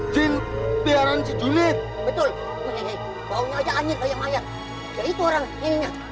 kita hajar pak